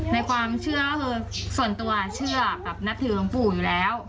ในความเชื่อก็คือส่วนตัวเชื่อแบบนับถือหลวงปู่อยู่แล้ว